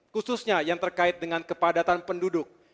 khususnya yang terkait dengan kepadatan penduduk